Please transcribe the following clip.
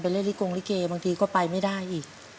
เล่นลิกงลิเกบางทีก็ไปไม่ได้อีก